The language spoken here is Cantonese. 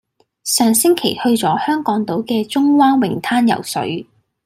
上星期去咗香港島嘅中灣泳灘游水。